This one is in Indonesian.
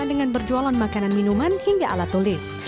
dengan berjualan makanan minuman hingga alat tulis